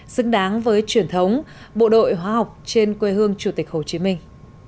xứng đáng với truyền thống bộ đội hóa học trên quê hương chủ tịch hồ chí minh